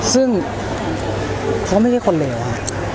ซึ่งเขาไม่ใช่คนเลวฮะ